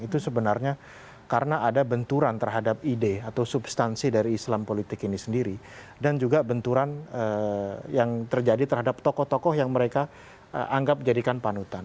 itu sebenarnya karena ada benturan terhadap ide atau substansi dari islam politik ini sendiri dan juga benturan yang terjadi terhadap tokoh tokoh yang mereka anggap jadikan panutan